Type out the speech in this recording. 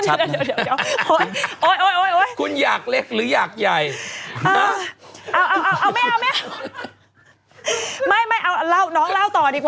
ใครใหญ่ก็อยากให้มันเล็ก